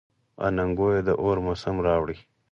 اننګو یې د اور موسم راوړی.